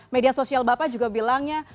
media sosial bapak juga bilangnya